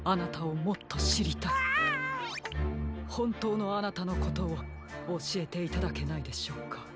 ほんとうのあなたのことをおしえていただけないでしょうか？